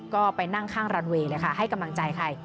ก็ไปนั่งข้างรันเวย์เลยค่ะให้กำลังใจใคร